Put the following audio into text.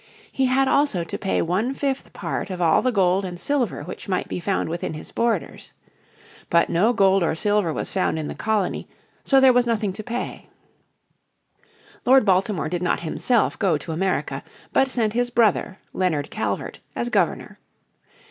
He had also to pay one fifth part of all the gold and silver which might be found within his borders. But no gold or silver was found in the colony, so there was nothing to pay. Lord Baltimore did not himself go to America, but sent his brother, Leonard Calvert, as Governor.